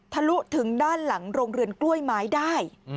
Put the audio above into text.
ทะลุถึงด้านหลังโรงเรือนกล้วยไม้ได้